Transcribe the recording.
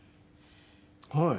はい。